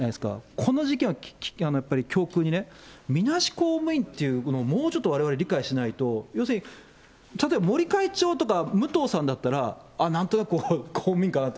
この事件をやっぱり教訓にね、みなし公務員っていうのを、もうちょっとわれわれ理解しないと、要するに、例えば森会長とか武藤さんだったら、なんとなくこう、公務員かなと。